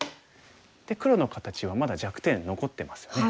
黒の形はまだ弱点残ってますよね。